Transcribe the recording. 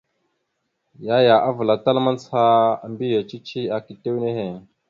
Yaya avəlatal mandzəha a mbiyez cici aka itew nehe.